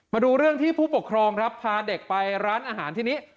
มาดูเรื่องที่ผู้ปกครองครับพาเด็กไปร้านอาหารที่นี้